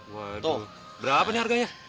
waduh berapa nih harganya